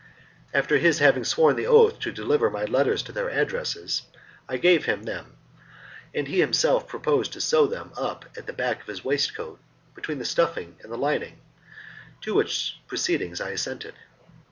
After his having sworn the oath to deliver my letters to their addresses, I gave him them, and he himself proposed to sew them up at the back of his waistcoat, between the stuff and the lining, to which proceedings I assented.